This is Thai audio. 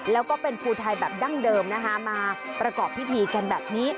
แล้วก็เป็นภูไทยแบบดั้งเดิมนะคะมาประกอบพิธีกันแบบนี้